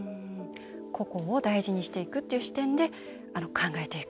個々を大事にしていくという視点で考えていく。